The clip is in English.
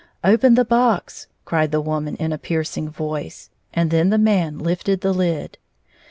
" Open the box !" cried the woman in a piercing voice, and then the man lifted the Ud.